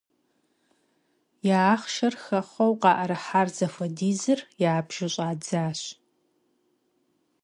Я ахъшэр хэхъуэу къаӀэрыхьар зыхуэдизыр ябжу щӀадзащ.